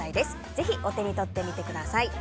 ぜひお手に取ってみてください。